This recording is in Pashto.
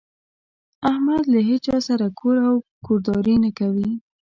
احمد له هيچا سره کور او کورداري نه کوي.